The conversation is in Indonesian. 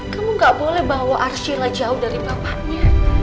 kamu gak boleh bawa arshila jauh dari bapaknya